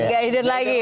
gak hidden lagi